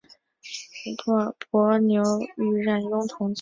伯牛与冉雍同宗。